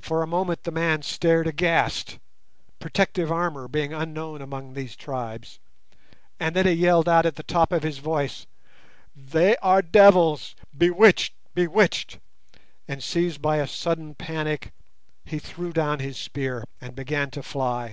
For a moment the man stared aghast—protective armour being unknown among these tribes—and then he yelled out at the top of his voice— "They are devils—bewitched, bewitched!" And seized by a sudden panic, he threw down his spear, and began to fly.